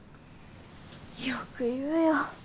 よく言うよ。